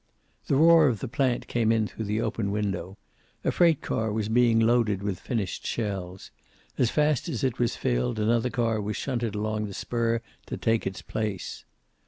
The roar of the plant came in through the open window. A freight car was being loaded with finished shells. As fast as it was filled, another car was shunted along the spur to take its place.